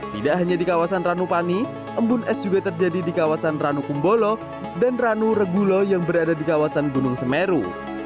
tidak hanya di kawasan ranupani embun es juga terjadi di kawasan ranukumbolo dan ranu regulo yang berada di kawasan gunung semeru